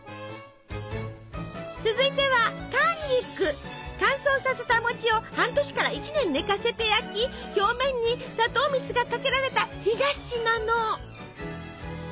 続いては乾燥させた餅を半年から１年寝かせて焼き表面に砂糖蜜がかけられた干菓子なの。